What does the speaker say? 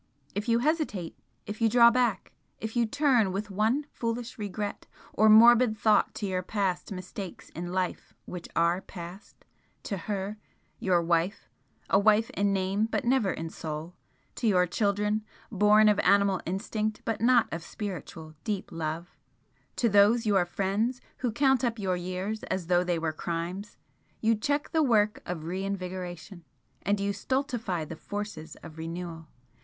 If you hesitate, if you draw back, if you turn with one foolish regret or morbid thought to your past mistakes in life which ARE past to her, your wife, a wife in name but never in soul, to your children, born of animal instinct but not of spiritual deep love, to those your 'friends' who count up your years as though they were crimes, you check the work of re invigoration, and you stultify the forces of renewal.